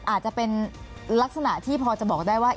อาจจะเป็นลักษณะที่พอจะบอกได้ว่า